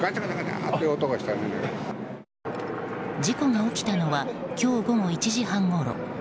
事故が起きたのは今日午後１時半ごろ。